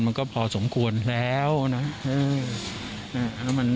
มันก็พอสมควรแล้วนะ